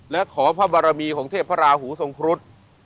และขอพระบารมีของเทพพระราหูทรงครุฑ